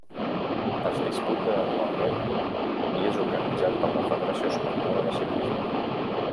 Es disputa anualment i és organitzat per la Federació Espanyola de Ciclisme.